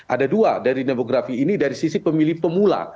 ada dua dari demografi ini dari sisi pemilih pemula